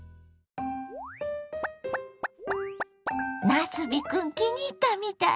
なすびクン気に入ったみたいね。